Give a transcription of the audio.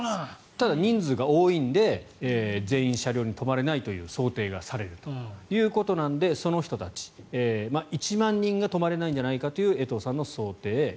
ただ、人数が多いので全員車両に泊まれないという想定がされるその人たち、１万人が泊まれないんじゃないかという江藤さんの想定。